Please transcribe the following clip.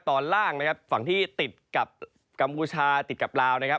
ตอนล่างนะครับฝั่งที่ติดกับกัมพูชาติดกับลาวนะครับ